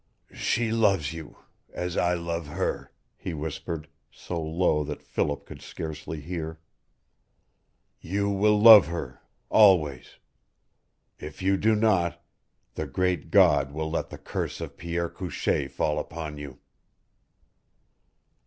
"She loves you as I love her," he whispered, so low that Philip could scarcely hear. "You will love her always. If you do not the Great God will let the curse of Pierre Couchee fall upon you!"